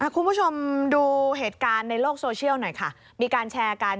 คุณผู้ชมดูเหตุการณ์ในโลกโซเชียลหน่อยค่ะมีการแชร์กัน